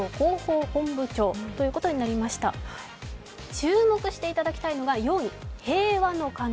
注目していただきたいのが４位、「ＨＥＩＷＡの鐘」。